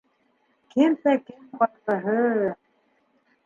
Кемдә кем ҡайғыһы...